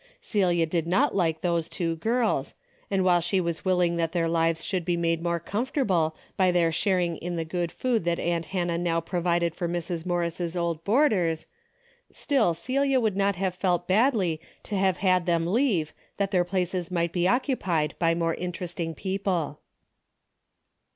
Celia did not like those two girls, and while she was willing that their lives should be made more comfortable by their sharing in the good food that aunt Hannah now provided for Mrs. Morris' old boarders, still Celia would not have felt badly to have had them leave that their places might be oc cupied by more interesting people.